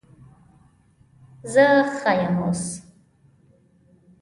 زه ښه یم اوس